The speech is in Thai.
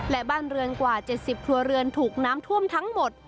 และบ้านเรือนกว่า๗๐ครัวเรือนถูกน้ำท่วมทั้งหมด